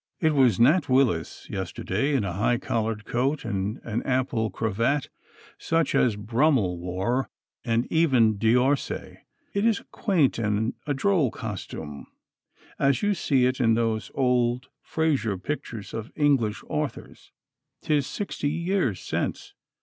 It was "Nat. Willis" yesterday, in a high collared coat and an ample cravat such as Brummel wore, and even D'Orsay. It is a quaint and a droll costume, as you see it in those old Fraser pictures of English authors "'tis sixty years since."